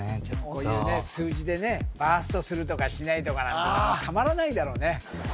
ちょっとこういう数字でねバーストするとかしないとかなんてたまらないだろうね